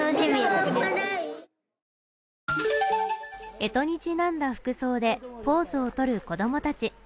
えとにちなんだ服装でポーズをとる子供たち。